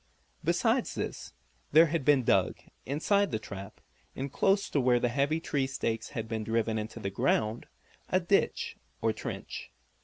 Besides this there had been dug, inside the trap, and close to where the heavy tree stakes had been driven into the ground, a ditch, or trench.